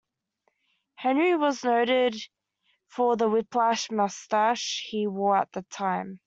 Henry was noted for the whiplash mustache he wore at that time.